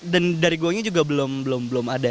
dan dari gue nya juga belum belum ada